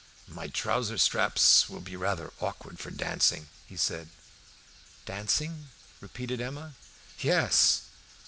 "My trouser straps will be rather awkward for dancing," he said. "Dancing?" repeated Emma. "Yes!"